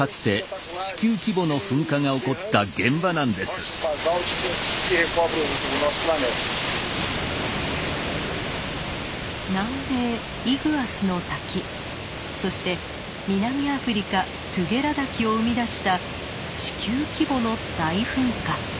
断崖の正体はやはり南米イグアスの滝そして南アフリカトゥゲラ滝を生み出した地球規模の大噴火。